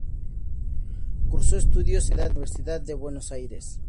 Cursó estudios en la Universidad de Buenos Aires.